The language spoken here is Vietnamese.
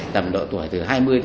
tầm độ tuổi từ hai mươi hai mươi năm